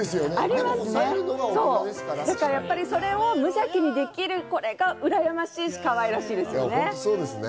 やっぱりそれを無邪気にやれるこれがうらやましいし、かわいいですね。